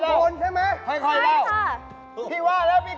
น้องตังค์สมัยไหมค่อยเล่าพี่ว่าแล้วพี่